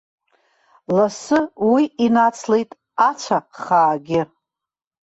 Лассы уи инацлеит ацәа хаагьы.